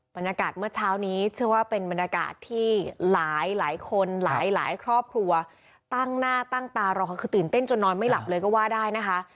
บรรยากาศเมื่อเช้านี้เชื่อว่าเป็นบรรยากาศที่หลายคนหลายครอบครัวตั้งหน้าตั้งตารอคือตื่นเต้นจนนอนไม่หลับเลยก็ว่าได้นะคะ